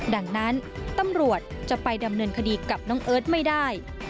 ดังนั้นตำรวจจะไปดำเนินคดีกับน้องเอิร์ทไม่ได้